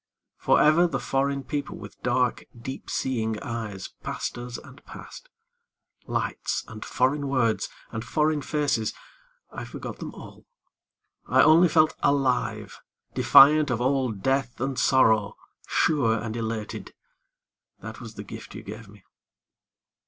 Forever the foreign people with dark, deep seeing eyes Passed us and passed. Lights and foreign words and foreign faces, I forgot them all; I only felt alive, defiant of all death and sorrow, Sure and elated. That was the gift you gave me.